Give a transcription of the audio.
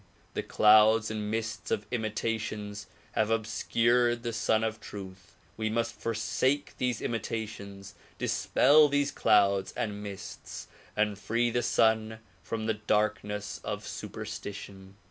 The clouds and mists of imitations have obscured the Sun of Truth. We must forsake these imitations, dispel these clouds and mists and free the Sun from the darkness of superstition.